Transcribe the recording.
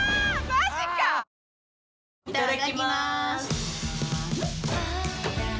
いただきます！